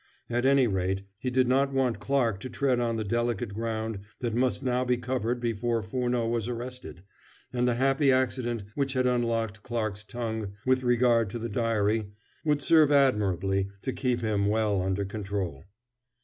At any rate, he did not want Clarke to tread on the delicate ground that must now be covered before Furneaux was arrested, and the happy accident which had unlocked Clarke's tongue with regard to the diary would serve admirably to keep him well under control.